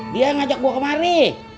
dia yang ngajak gue kemari